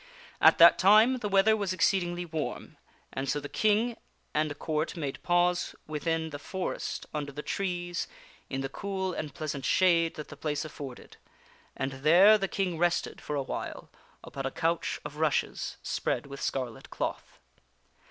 At that time the weather was ex t h. aHded in ceedingly warm, and so the King and Court made pause with %"& in the forest under the trees in the cool and pleasant shade that the place afforded, and there the King rested for a while upon a couch of rushes spread with scarlet cloth.